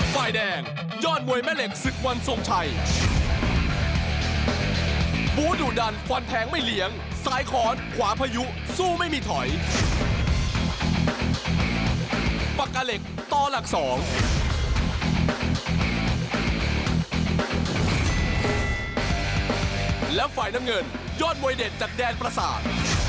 และไฟล์น้ำเงินยอดมวยเด็ดจากแดนประสาท